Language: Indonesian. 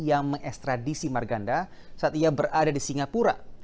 yang mengekstradisi marganda saat ia berada di singapura